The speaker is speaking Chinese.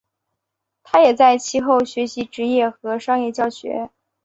他也在其后学习职业和商业教学。